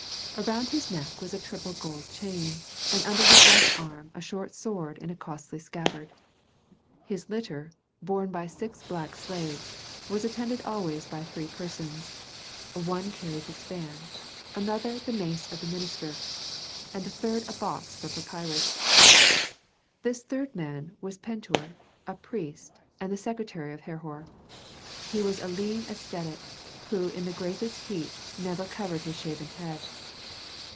Around his neck was a triple gold chain, and under his left arm a short sword in a costly scabbard. His litter, borne by six black slaves, was attended always by three persons: one carried his fan, another the mace of the minister, and the third a box for papyrus. This third man was Pentuer, a priest, and the secretary of Herhor. He was a lean ascetic who in the greatest heat never covered his shaven head.